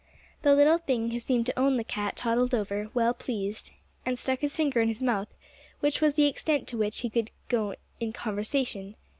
The little thing who seemed to own the cat toddled over, well pleased, and stuck his finger in his mouth, which was the extent to which he could go in conversation.